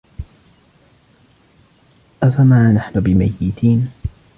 أفما نحن بميتين